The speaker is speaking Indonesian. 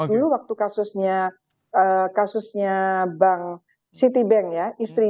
dulu waktu kasusnya bank citibank ya